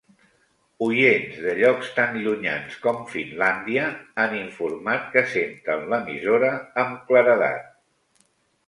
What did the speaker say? Oients de llocs tan llunyans com Finlàndia han informat que senten l'emissora amb claredat.